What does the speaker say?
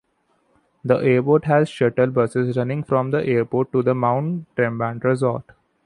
The airport has shuttle buses running from the airport to the Mont Tremblant Resort.